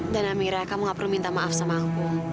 dan mira kamu ga perlu minta maaf sama aku